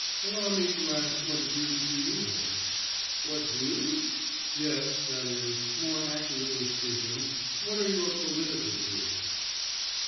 Allow me to ask what views do you hold?' 'What views?' 'Yes, that is, more accurately speaking, what are your political views?